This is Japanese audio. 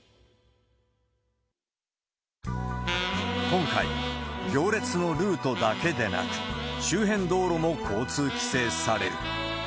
今回、行列のルートだけでなく、周辺道路も交通規制される。